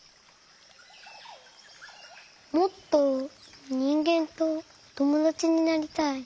もっとにんげんとともだちになりたい。